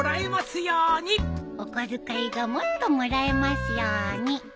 お小遣いがもっともらえますように。